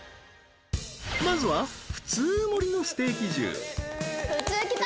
まずは普通盛のステーキ重普通きた！